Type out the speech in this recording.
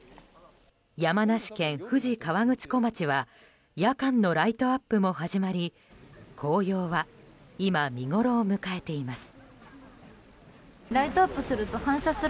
山梨県富士河口湖町は夜間のライトアップも始まり紅葉は今見ごろを迎えています。